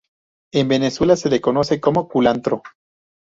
En Venezuela se le conoce como culantro.